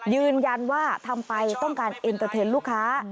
ยืนยันว่าทำไปต้องการเต็มเต็มลูกค้า